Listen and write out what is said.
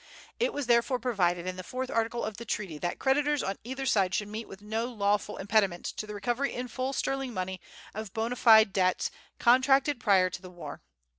It was therefore provided, in the fourth article of the treaty, that creditors on either side should meet with no lawful impediment to the recovery in full sterling money of bona fide debts contracted prior to the war.